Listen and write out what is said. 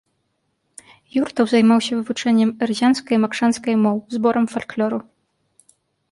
Юртаў займаўся вывучэннем эрзянскай і макшанскай моў, зборам фальклору.